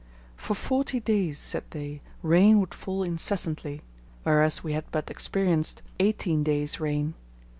"For forty days," said they, "rain would fall incessantly;" whereas we had but experienced eighteen days' rain.